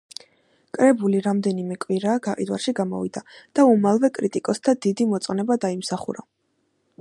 კრებული რამდენემე კვირაა გაყიდვაში გამოვიდა და უმალვე კრიტიკოსთა დიდი მოწონება დაიმსახურა.